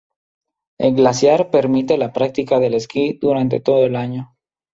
El glaciar permite la práctica del esquí durante todo el año.